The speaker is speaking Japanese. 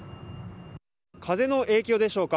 風の影響でしょうか。